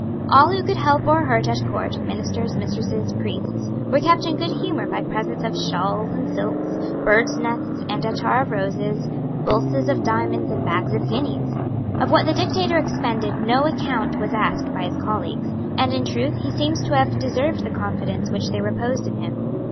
All who could help or hurt at Court, ministers, mistresses, priests, were kept in good humour by presents of shawls and silks, birds' nests and atar of roses, bulses of diamonds and bags of guineas. Of what the Dictator expended no account was asked by his colleagues; and in truth he seems to have deserved the confidence which they reposed in him.